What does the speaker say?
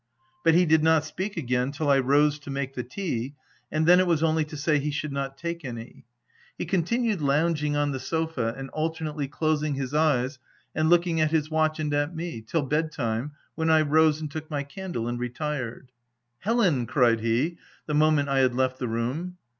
But he did not speak again till I rose to make the tea, and then it was only to say he should not take any. He continued OF WILDFELL HALL. 91 lounging on the sofa, and alternately closing his eyes and looking at his watch and at me, till bed time, when I rose, and took my candle and retired. " Helen !" cried he, the moment I had left the room.